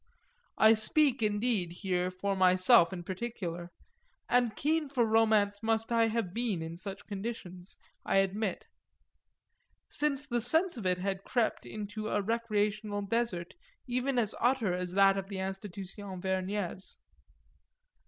I speak indeed here for myself in particular, and keen for romance must I have been in such conditions, I admit; since the sense of it had crept into a recreational desert even as utter as that of the Institution Vergnès.